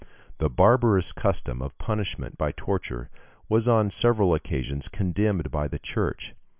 The barbarous custom of punishment by torture was on several occasions condemned by the Church.